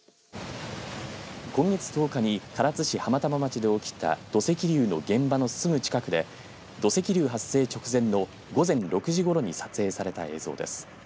今月１０日に唐津市浜玉町で起きた土石流の現場のすぐ近くで土石流発生直前の午前６時ごろに撮影された映像です。